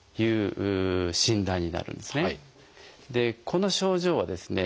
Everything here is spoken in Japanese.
この症状はですね